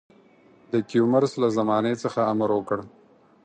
د کیومرث له زمانې څخه امر وکړ.